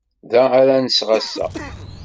Da ara nseɣ ass-a.